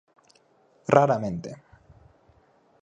Raramente.